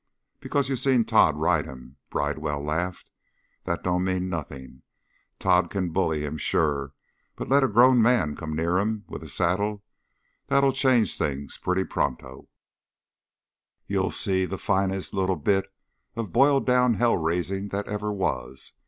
"Because you seen Tod ride him?" Bridewell laughed. "That don't mean nothing. Tod can bully him, sure. But just let a grown man come near him with a saddle! That'll change things pretty pronto! You'll see the finest little bit of boiled down hell raising that ever was!